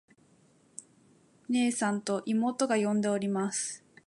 「ねえさん。」と妹が呼んでおります。